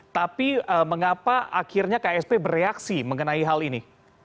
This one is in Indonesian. tapi mengapa akhirnya ksp bereaksi mengenai hal ini